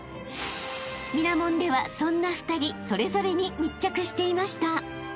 ［『ミラモン』ではそんな２人それぞれに密着していました］